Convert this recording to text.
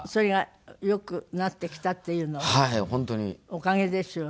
おかげですよね。